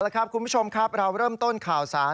แล้วครับคุณผู้ชมครับเราเริ่มต้นข่าวสาร